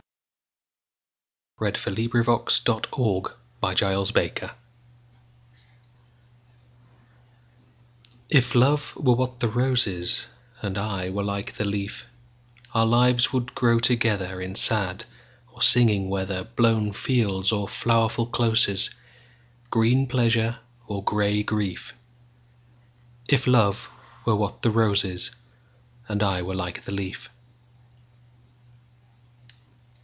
Algernon Charles Swinburne 738. A Match IF love were what the rose is, And I were like the leaf, Our lives would grow togetherIn sad or singing weather, Blown fields or flowerful closes, Green pleasure or gray grief; If love were what the rose is, And I were like the leaf.